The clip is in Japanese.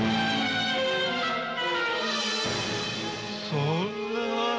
そんな。